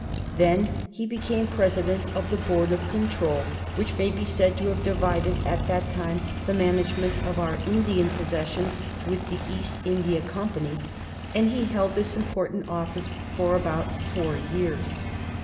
Then he became President of the Board of Control, which may be said to have divided at that time the management of our Indian possessions with the East India Company, and he held this important office for about four years.